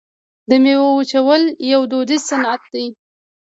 د میوو وچول یو دودیز صنعت دی.